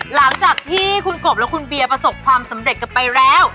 หลังจากที่คุณกบและคุณเบียร์ประสบความสำเร็จกันไปแล้ว